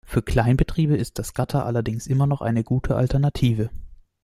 Für Kleinbetriebe ist das Gatter allerdings immer noch eine gute Alternative.